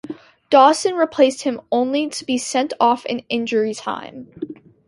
Dawson replaced him only to be sent off in injury time.